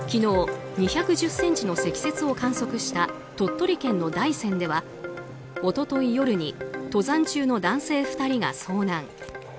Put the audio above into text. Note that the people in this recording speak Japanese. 昨日、２１０ｃｍの積雪を観測した鳥取県の大山では一昨日夜に登山中の男性２人が遭難。